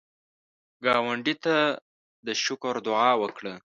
ګاونډي ته د شکر دعا وکړه